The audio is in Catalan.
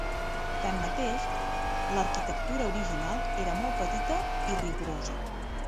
Tanmateix, l'arquitectura original era molt petita i rigorosa.